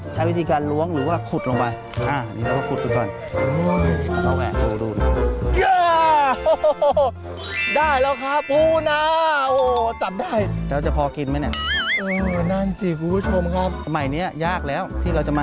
สวัสดีครับสวัสดีครับ